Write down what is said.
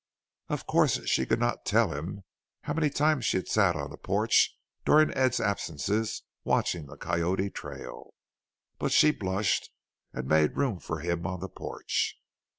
Of course she could not tell him how many times she had sat on the porch during Ed's absences watching the Coyote trail. But she blushed and made room for him on the porch.